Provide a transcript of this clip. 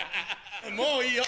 もういいよ！